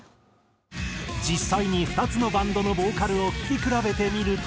実際に２つのバンドのボーカルを聴き比べてみると。